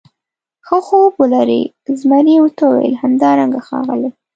ښه خوب ولرې، زمري ورته وویل: همدارنګه ښاغلی.